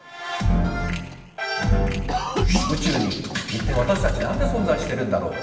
宇宙に一体私たち何で存在してるんだろう。